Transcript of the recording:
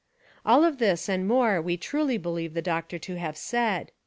All of this and more we truly believe the Doctor to have said.